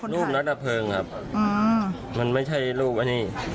นักดับเพลิงครับมันไม่ใช่รูปอันนี้